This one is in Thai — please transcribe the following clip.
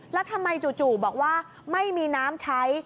แล้วทำไมจู่บอกว่าไม่มีน้ำใช้